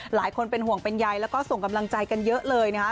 หลายคนเป็นห่วงเป็นใยแล้วก็ส่งกำลังใจกันเยอะเลยนะคะ